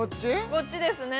こっちですね